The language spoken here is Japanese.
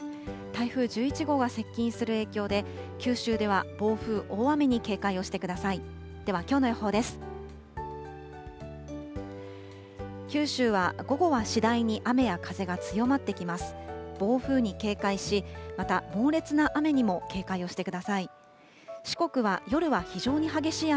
台風１１号が接近する影響で、九州では暴風、大雨に警戒をしてください。